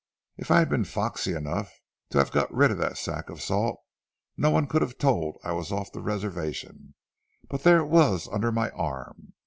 If I'd been foxy enough to have got rid of that sack of salt, no one could have told I was off the reservation; but there it was under my arm.